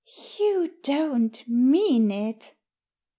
"You don't mean it?"